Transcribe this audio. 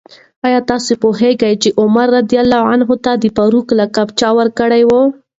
آیا ته پوهېږې چې عمر رض ته د فاروق لقب چا ورکړی و؟